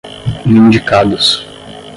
vindicados